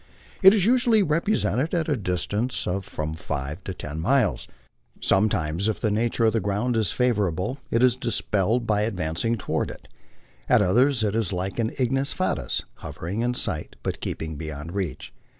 It is usually repre sented at a distance of from five to ten miles. Sometimes, if the nature of the ground is favorable, it is dispelled by advancing toward it ; at others it is like an ignis fatutis, hovering in sight, but keeping beyond reach.